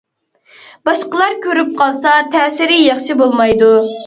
باشقىلار كۆرۈپ قالسا تەسىرى ياخشى بولمايدۇ.